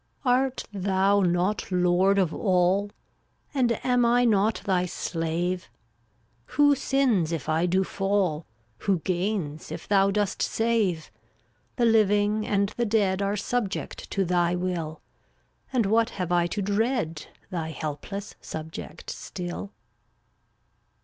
344 Art Thou not Lord of All? And am I not Thy slave? Who sins if I do fall? Who gains if Thou dost save? The living and the dead Are subject to Thy will; And what have I to dread, Thy helpless subject still?